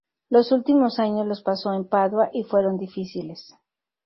Los últimos años los pasó en Padua, y fueron difíciles.